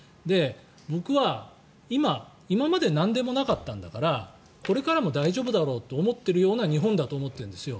僕は、今までなんでもなかったんだからこれからも大丈夫だろうと思っているような日本だと思ってるんですよ。